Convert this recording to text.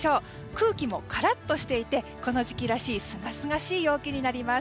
空気もカラッとしていてこの時期らしいすがすがしい陽気になります。